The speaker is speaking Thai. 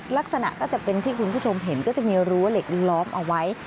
ลักษณะก็จะเป็นที่คุณผู้ชมเห็นก็จะมีรั้วเหล็กล้อมเอาไว้